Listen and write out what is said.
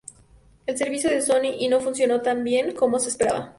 El servicio de Sony no funcionó tan bien como se esperaba.